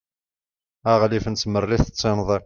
aɣlif n tmerrit d tinḍi